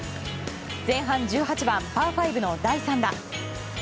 前半１８番、パー５の第３打。